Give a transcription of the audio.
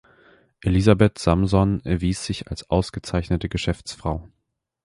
Elisabeth Samson erwies sich als ausgezeichnete Geschäftsfrau.